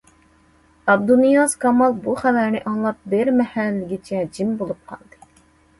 ئابدۇنىياز كامال بۇ خەۋەرنى ئاڭلاپ بىر مەھەلگىچە جىم بولۇپ قالدى.